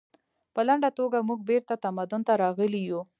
په لنډه توګه موږ بیرته تمدن ته راغلي یو